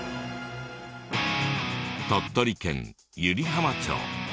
鳥取県湯梨浜町。